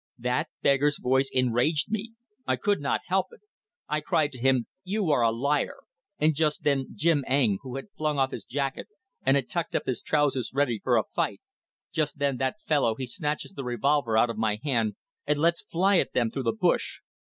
That beggar's voice enraged me; I could not help it. I cried to him: 'You are a liar!' and just then Jim Eng, who had flung off his jacket and had tucked up his trousers ready for a fight; just then that fellow he snatches the revolver out of my hand and lets fly at them through the bush.